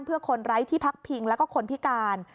เพื่อคนไร้ที่พักพิงแล้วก็คนพิการ